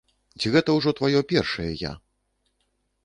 Ці гэта ўжо тваё першае я?